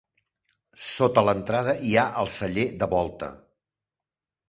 Sota l'entrada hi ha el celler de volta.